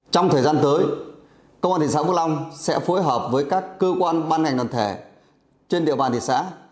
trong thời gian tới công an thị xã phước long sẽ phối hợp với các cơ quan ban ngành đoàn thể trên địa bàn thị xã